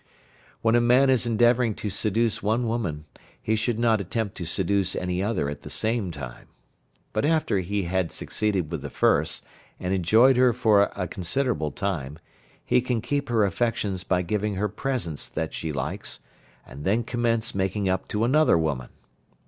When a man is endeavouring to seduce one woman, he should not attempt to seduce any other at the same time. But after he had succeeded with the first, and enjoyed her for a considerable time, he can keep her affections by giving her presents that she likes, and then commence making up to another woman.